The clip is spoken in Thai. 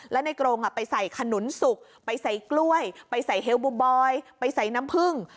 และในกรงไปใส่ขนุนสุกไปใส่กล้วยไปใส่เฮลบูบอยไปใส่น้ำผึ้ง